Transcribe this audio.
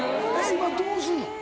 今どうすんの？